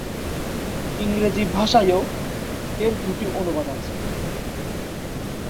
ইংরেজি ভাষায়ও এর দুটি অনুবাদ রয়েছে।